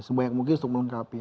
sebanyak mungkin untuk melengkapi